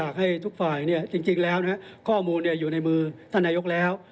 ข้อมูลอยู่ในมือท่านนายอกแล้ว